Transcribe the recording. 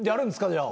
じゃあ。